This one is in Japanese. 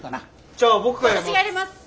じゃあ僕がやります。